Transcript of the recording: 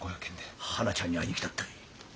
はなちゃんに会いに来たったい。